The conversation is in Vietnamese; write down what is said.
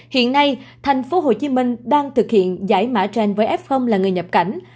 hiện nay thành phố hồ chí minh đang thực hiện giải mã gen với f là người nhập cảnh